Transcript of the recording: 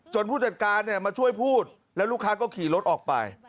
ผู้จัดการมาช่วยพูดแล้วลูกค้าก็ขี่รถออกไป